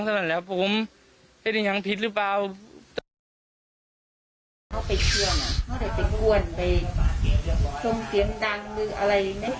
ก็เหตุผลกันก็ไม่มีส่วนรับผิดใจเถอะ